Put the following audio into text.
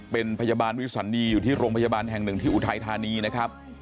เป็นพยาบาลวิสันนีอยู่ที่โรงพยาบาลแห่งหนึ่งที่อุทัยธานีนะครับ